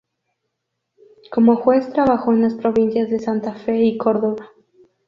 Como juez trabajó en las provincias de Santa Fe y Córdoba.